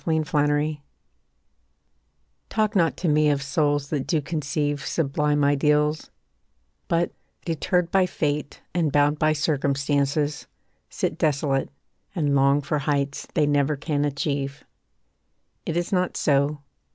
CIRCUMSTANCE Talk not to me of souls that do conceive Sublime ideals, but, deterred by Fate And bound by circumstances, sit desolate, And long for heights they never can achieve. It is not so.